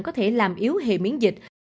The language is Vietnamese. có thể làm yếu hệ miễn dịch